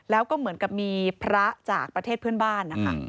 แล้วก็เหมือนกับมีพระจากประเทศเพื่อนบ้านนะคะ